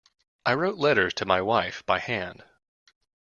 I wrote letters to my wife by hand.